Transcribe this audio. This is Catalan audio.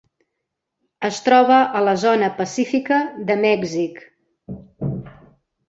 Es troba a la zona pacífica de Mèxic.